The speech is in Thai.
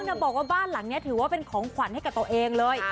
บอกว่าบ้านหลังนี้ถือว่าเป็นของขวัญให้กับตัวเองเลย